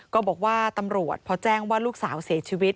ก็บอกว่าตำรวจพอแจ้งว่าลูกสาวเสียชีวิต